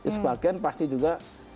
sebagian pasti juga